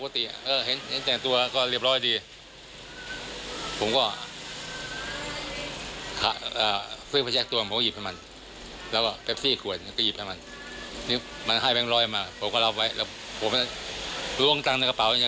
ตอนนั้นเขารู้สึกอย่างไงก็เฉยมึงเอาไปก็เอาไป